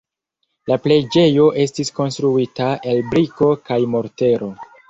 La preĝejo estis konstruita el briko kaj mortero.